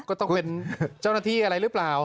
ก็ต้องเป็นเจ้าหน้าที่อะไรหรือเปล่า